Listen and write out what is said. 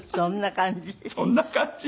そんな感じ？